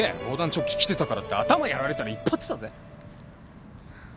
防弾チョッキ着てたからって頭やられたら一発だぜ。